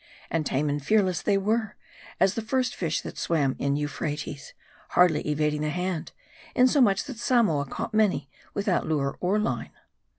And tame and fearless they were, as the first fish that swam in Euphrates ; hardly evading the hand ; insomuch that Samoa caught many without lure or line.